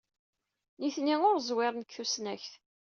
Nitni ur ẓwiren deg tusnakt.